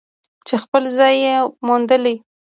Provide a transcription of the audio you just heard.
چې خپل ځای یې موندلی.